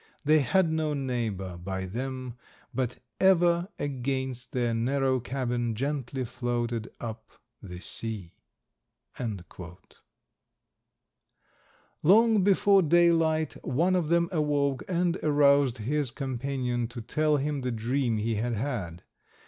They had no neighbor by them, but ever against their narrow cabin gently floated up the sea." Long before daylight one of them awoke and aroused his companion to tell him the dream he had had.